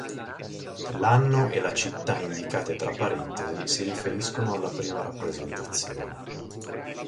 L'anno e la città indicate tra parentesi si riferiscono alla prima rappresentazione.